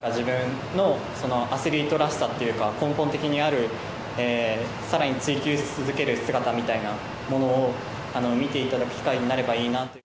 自分のそのアスリートらしさっていうか、根本的にある、さらに追求し続ける姿みたいなものを、見ていただく機会になればいいなと。